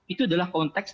itu adalah konteks